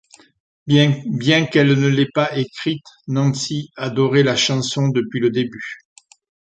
Bien qu'elle ne l'ait pas écrite, Nancy adorait la chanson depuis le début.